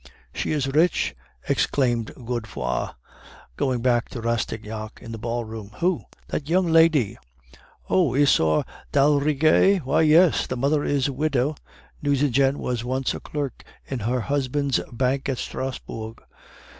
"'She is rich!' exclaimed Godefroid, going back to Rastignac in the ballroom. "'Who?' "'That young lady.' "'Oh, Isaure d'Aldrigger? Why, yes. The mother is a widow; Nucingen was once a clerk in her husband's bank at Strasbourg.